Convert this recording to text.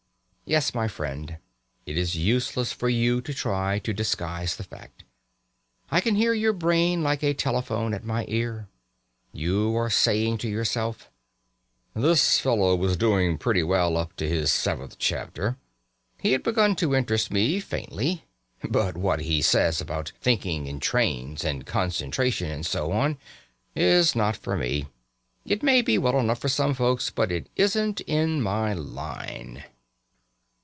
Yes, my friend, it is useless for you to try to disguise the fact. I can hear your brain like a telephone at my ear. You are saying to yourself: "This fellow was doing pretty well up to his seventh chapter. He had begun to interest me faintly. But what he says about thinking in trains, and concentration, and so on, is not for me. It may be well enough for some folks, but it isn't in my line."